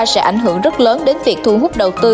sẽ ảnh hưởng rất lớn đến việc thu hút đầu tư